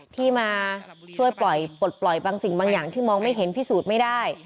ที่มาช่วยปล่อยปลดปล่อยบางสิ่งบางอย่างที่มองไม่เห็นพิสูจน์ไม่ได้